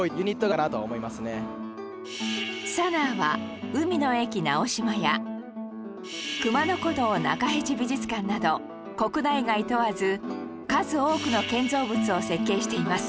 ＳＡＮＡＡ は海の駅「なおしま」や熊野古道なかへち美術館など国内外問わず数多くの建造物を設計しています